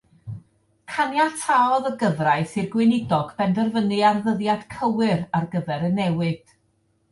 Caniataodd y gyfraith i'r gweinidog benderfynu ar ddyddiad cywir ar gyfer y newid.